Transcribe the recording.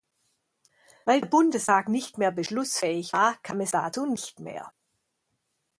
Weil der Bundestag nicht mehr beschlussfähig war, kam es dazu nicht mehr.